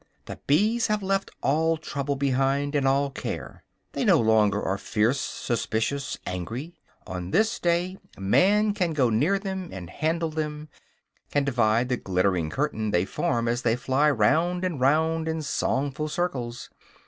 The bees have left all trouble behind, and all care. They no longer are fierce, suspicious, angry. On this day man can go near them and handle them, can divide the glittering curtain they form as they fly round and round in songful circles.